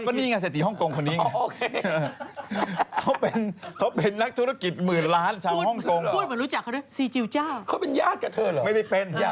เขาเป็นญาติกับเธอเหรอไม่ได้เป็นอยากเป็นญาติกับเธอ